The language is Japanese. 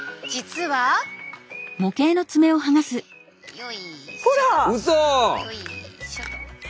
はい。